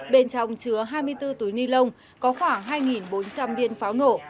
bên trong chứa hai mươi bốn túi ni lông có khoảng hai bốn trăm linh viên pháo nổ